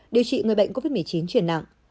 điều trị người bệnh covid một mươi chín chuyển nặng